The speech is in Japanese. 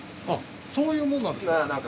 そういうものなんですか！